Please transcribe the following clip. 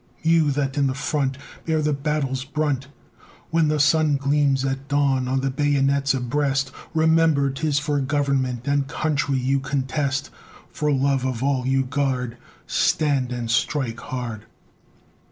You that in the front Bear the battle's brunt When the sun gleams at dawn on the bayonets abreast, Remember 'tis for government and country you contest; For love of all you guard, Stand, and strike hard!